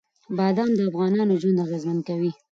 بادام د افغانانو ژوند اغېزمن کوي.